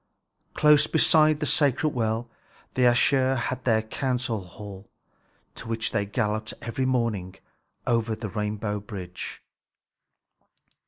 Close beside this sacred well the Æsir had their council hall, to which they galloped every morning over the rainbow bridge.